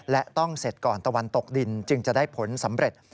และต้องเสร็จก่อนตะวันตกดินจึงจะได้ผลสำเร็จ